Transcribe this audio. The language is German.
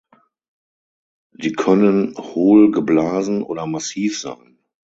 Die können hohl (geblasen) oder massiv sein.